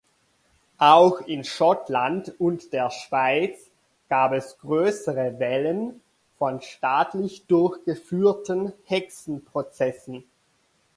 Auch in Schottland und der Schweiz gab es größere Wellen von staatlich durchgeführten Hexenprozessen.